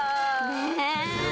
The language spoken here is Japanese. ねえ。